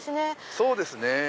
そうですね。